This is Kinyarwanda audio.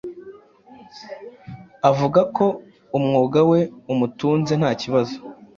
avuga ko umwuga we umutunze nta kibazo